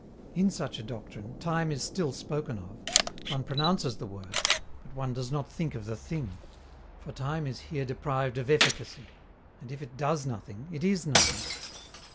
In such a doctrine, time is still spoken of: one pronounces the word, but one does not think of the thing. For time is here deprived of efficacy, and if it does nothing, it is nothing.